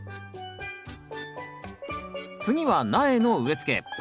次は苗の植え付け